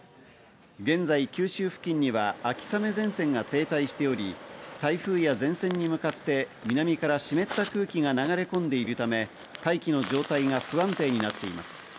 現在、九州付近には秋雨前線が停滞しており、台風や前線に向かって南から湿った空気が流れ込んでいるため、大気の状態が不安定になっています。